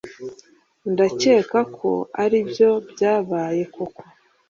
Ndakeka ko aribyo byabaye koko